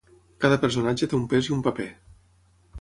Cada personatge té un pes i un paper.